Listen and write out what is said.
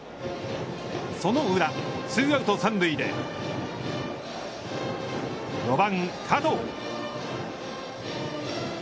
その裏、ツーアウト３塁で４番加藤。